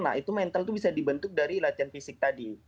nah itu mental itu bisa dibentuk dari latihan fisik tadi